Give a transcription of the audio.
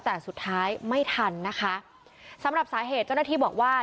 แต่สุดท้ายไม่ทันนะคะสำหรับสาเหตุเจ้าหน้าที่บอกว่า